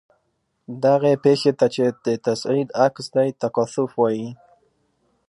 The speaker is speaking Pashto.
دغې پیښې ته چې د تصعید عکس دی تکاثف وايي.